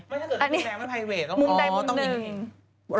มุมใดมุมหนึ่ง